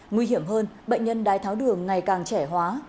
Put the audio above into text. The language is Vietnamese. nguy hiểm hơn bệnh nhân đái tháo đường ngày càng trẻ hóa